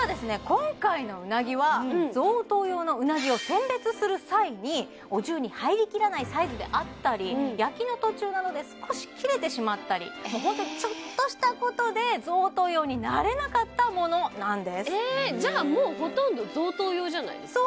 今回のうなぎは贈答用のうなぎを選別する際にお重に入りきらないサイズであったり焼きの途中などで少し切れてしまったり本当ちょっとしたことで贈答用になれなかったものなんですえじゃあもうほとんど贈答用じゃないですか？